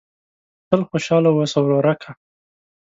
تل خوشاله اوسه ورورکه !